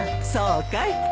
そうかい？